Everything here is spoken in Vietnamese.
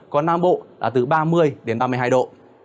còn nam bộ là từ ba mươi đến ba mươi hai độ